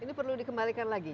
ini perlu dikembalikan lagi